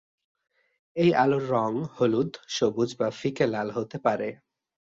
এই আলোর রং হলুদ, সবুজ বা ফিকে লাল হতে পারে।